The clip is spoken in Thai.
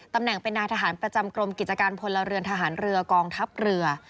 ตำแหน่งเป็นนายทหารประจำกรมกิจการพลเรือนทหารเรือกองทัพเรือ